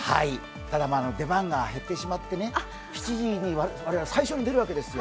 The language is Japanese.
ただ出番が減ってしまって、７時に我々、最初に出るわけですよ